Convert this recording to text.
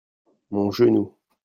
mon genou.